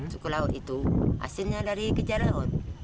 suku laut itu hasilnya dari kejar laut